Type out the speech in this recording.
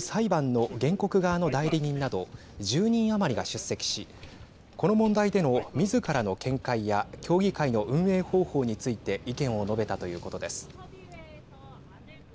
裁判の原告側の代理人など１０人余りが出席しこの問題での、みずからの見解や協議会の運営方法について意見を述べたということです。